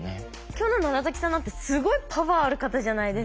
今日の奈良さんなんてすごいパワーある方じゃないですか。